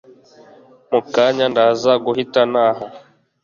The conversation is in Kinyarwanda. mukanya ndaza guhit ntaha